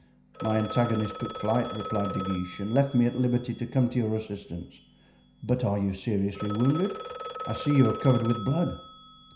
"My antagonist took flight," replied De Guiche "and left me at liberty to come to your assistance. But are you seriously wounded? I see you are covered with blood!"